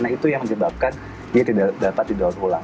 nah itu yang menyebabkan dia tidak dapat didaur ulang